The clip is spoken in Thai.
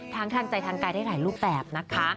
ทางทางใจทางกายได้หลายรูปแบบนะคะ